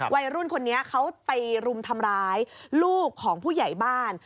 วัยรุ่นคนนี้เขาไปรุมทำร้ายลูกของผู้ใหญ่บ้าน